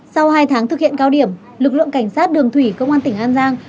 sau hai tháng thực hiện cao điểm lực lượng cảnh sát đường thủy công an tỉnh an giang